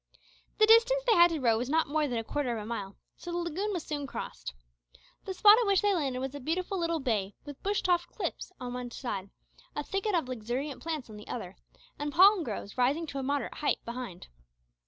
The distance they had to row was not more than a quarter of a mile, so the lagoon was soon crossed. The spot at which they landed was a beautiful little bay with bush topped cliffs on one side, a thicket of luxuriant plants on the other, and palm groves rising to a moderate height behind.